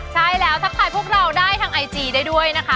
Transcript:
ใช่แล้วทักทายพวกเราได้ทางไอจีได้ด้วยนะคะ